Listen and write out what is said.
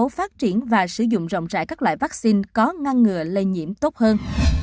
phát triển và sử dụng rộng rãi các loại vaccine có ngăn ngừa lây nhiễm tốt hơn